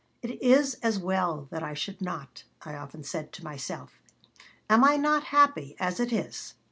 "It is as well that I should not," I often said to myself. "Am I not happy as it is?